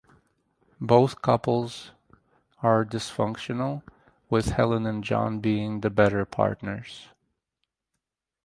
Both couples are dysfunctional with Helen and John being the better partners.